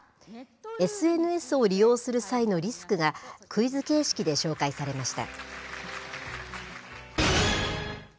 ＳＮＳを利用する際のリスクが、クイズ形式で紹介されました。